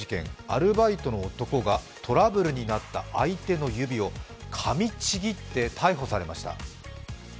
アルバイトの男がトラブルになった相手の指をかみちぎって逮捕されました。